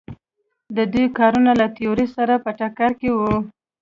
د دوی کارونه له تیورۍ سره په ټکر کې وو.